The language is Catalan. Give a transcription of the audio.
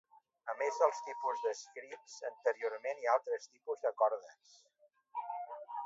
A més dels tipus descrits anteriorment hi ha altres tipus de cordes.